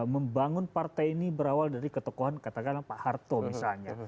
membangun partai ini berawal dari ketokohan katakanlah pak harto misalnya